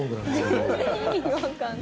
全然意味わかんない。